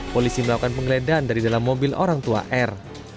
polisi melakukan penggeledahan dari dalam mobil orang tua r